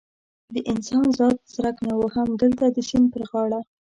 د انسان ذات څرک نه و، همدلته د سیند پر غاړه.